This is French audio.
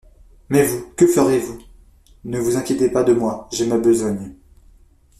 Mais vous, que ferez-vous ? Ne vous inquiétez pas de moi ; j'ai ma besogne.